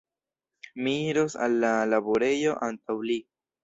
Mi iros al la laborejo antaŭ li.